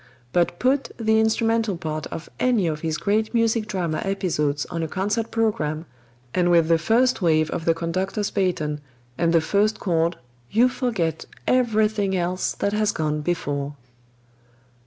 But put the instrumental part of any of his great music drama episodes on a concert program, and with the first wave of the conductor's baton and the first chord, you forget everything else that has gone before!